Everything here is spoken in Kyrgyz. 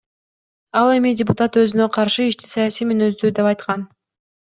Ал эми депутат өзүнө каршы ишти саясий мүнөздүү деп айткан.